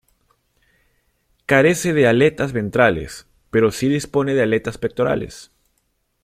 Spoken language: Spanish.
Carece de aletas ventrales pero sí dispone de aletas pectorales.